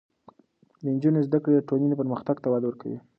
د نجونو زده کړې د ټولنې پرمختګ ته وده ورکوي.